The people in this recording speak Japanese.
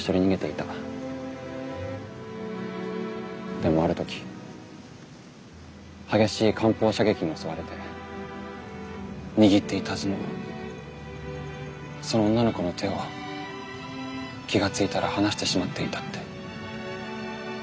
でもある時激しい艦砲射撃に襲われて握っていたはずのその女の子の手を気が付いたら離してしまっていたって。